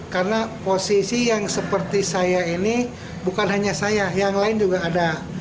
karena posisi yang seperti saya ini bukan hanya saya yang lain juga ada